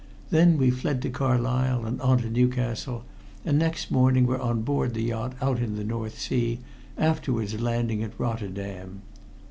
Then we fled to Carlisle and on to Newcastle, and next morning were on board the yacht out in the North Sea, afterwards landing at Rotterdam.